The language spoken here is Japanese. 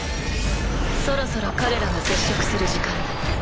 そろそろ彼らが接触する時間だ。